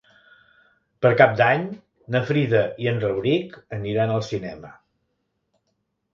Per Cap d'Any na Frida i en Rauric aniran al cinema.